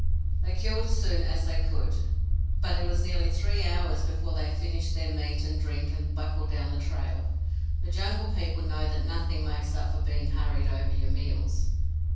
They killed as soon as they could, but it was nearly three hours before they finished their meat and drink and buckled down to the trail. The Jungle People know that nothing makes up for being hurried over your meals.